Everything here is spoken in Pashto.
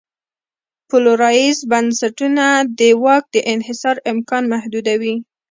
پلورالایز بنسټونه د واک دانحصار امکان محدودوي.